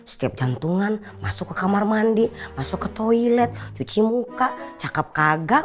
setiap jantungan masuk ke kamar mandi masuk ke toilet cuci muka cakep kaga